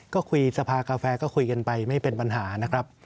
ก็คุยสภากาแฟก็คุยกันไปไม่เป็นปัญหานะครับ